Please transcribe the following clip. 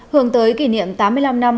hướng tới kỷ niệm tám mươi năm năm